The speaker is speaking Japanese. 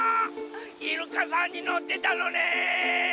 イルカさんにのってたのね！